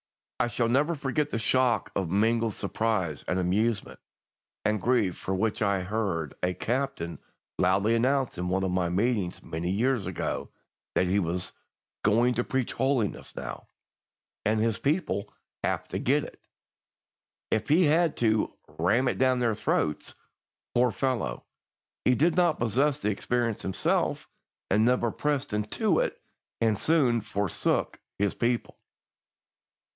I shall never forget the shock of mingled surprise and amusement and grief with which I heard a Captain loudly announce in one of my meetings many years ago that he was "going to preach holiness now," and his people "have to get it," if he had to "ram it down their throats." Poor fellow! He did not possess the experience himself, and never pressed into it and soon forsook his people.